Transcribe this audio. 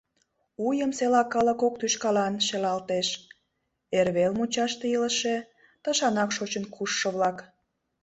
Уйым села калык кок тӱшкалан шелалтеш: эрвел мучаште илыше, тышанак шочын кушшо-влак.